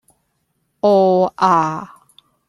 啊呀